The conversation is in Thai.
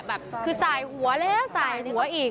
แบบคือสายหัวแล้วสายหัวอีก